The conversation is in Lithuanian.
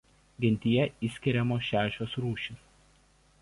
Gentyje išskiriamos šešios rūšys.